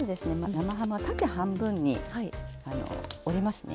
生ハムは縦半分に折りますね。